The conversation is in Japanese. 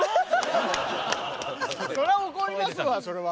それは怒りますわそれは。